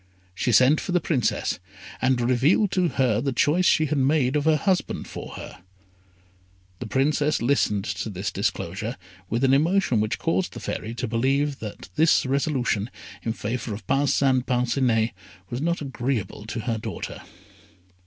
She sent for the Princess, and revealed to her the choice she had made of a husband for her. The Princess listened to this disclosure with an emotion which caused the Fairy to believe that this resolution in favour of Parcin Parcinet was not agreeable to her daughter.